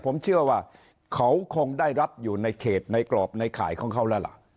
ผมเชื่อว่าเขาคงได้รับอยู่ในเขตในกรอบในข่ายของเขาแล้วล่ะ